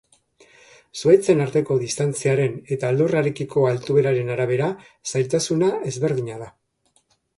Zuhaitzen arteko distantziaren eta lurrarekiko altueraren arabera zailtasuna ezberdina da.